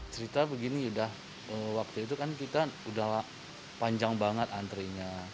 cerita begini udah waktu itu kan kita udah panjang banget antrenya